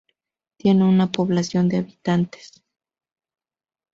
Tiene una población de habitantes.